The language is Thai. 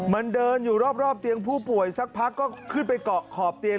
มันเดินอยู่รอบเตียงผู้ป่วยสักพักก็ขึ้นไปเกาะขอบเตียง